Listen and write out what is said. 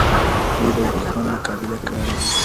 دوی به د دښمن مقابله کړې وي.